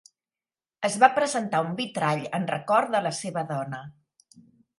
Es va presentar un vitrall en record de la seva dona.